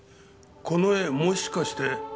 この絵もしかして。